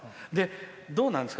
どうなんですか？